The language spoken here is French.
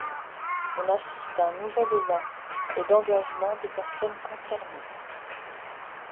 On assiste à un nouvel élan et d'engagement des personnes concernées.